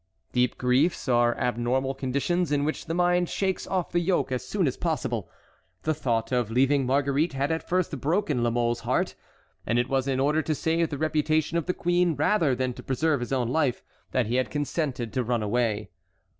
Deep griefs are abnormal conditions in which the mind shakes off the yoke as soon as possible. The thought of leaving Marguerite had at first broken La Mole's heart, and it was in order to save the reputation of the queen rather than to preserve his own life that he had consented to run away.